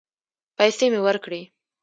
پيسې مې ورکړې.